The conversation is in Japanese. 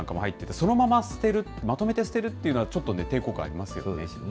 そのまま捨てるって、まとめて捨てるっていうのはちょっと抵抗感ありますよね。